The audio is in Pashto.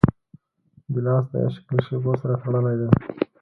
ګیلاس د عشق له شېبو سره تړلی دی.